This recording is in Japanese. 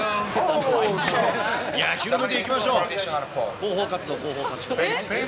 広報活動、広報活動。